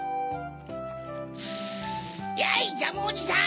やいジャムおじさん！